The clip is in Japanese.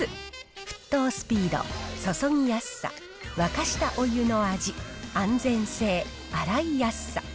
沸騰スピード、注ぎやすさ、沸かしたお湯の味、安全性、洗いやすさ。